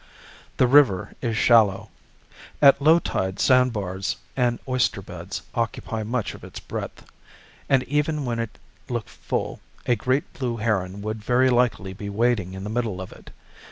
The river is shallow. At low tide sandbars and oyster beds occupy much of its breadth; and even when it looked full, a great blue heron would very likely be wading in the middle of it.